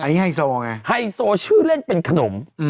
อันนี้ไฮโซไงไฮโซชื่อเล่นเป็นขนม